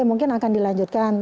mungkin akan dilanjutkan